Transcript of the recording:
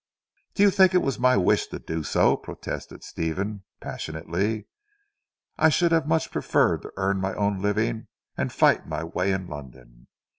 "Do you think it was my wish to do so?" protested Stephen passionately. "I should much have preferred to earn my own living, and fight my way in London.